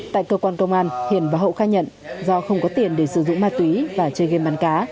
tại cơ quan công an hiển và hậu khai nhận do không có tiền để sử dụng mạ tí và chơi game bán cá